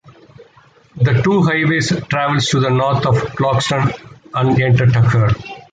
The two highways travels to the north of Clarkston and enter Tucker.